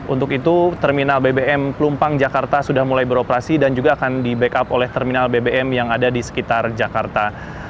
untuk itu terminal bbm pelumpang jakarta sudah mulai beroperasi dan juga akan di backup oleh terminal bbm yang ada di sekitar jakarta